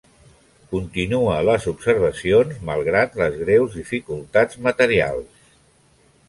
Continua les observacions malgrat les greus dificultats materials.